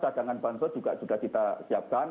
dagangan bansos juga juga kita siapkan